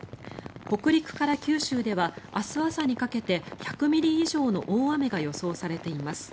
北陸から九州では明日朝にかけて１００ミリ以上の大雨が予想されています。